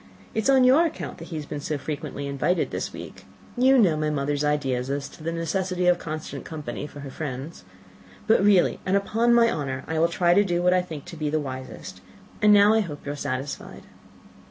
It is on your account that he has been so frequently invited this week. You know my mother's ideas as to the necessity of constant company for her friends. But really, and upon my honour, I will try to do what I think to be wisest; and now I hope you are satisfied."